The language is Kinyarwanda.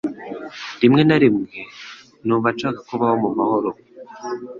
Rimwe na rimwe numva nshaka kubaho mu mahoro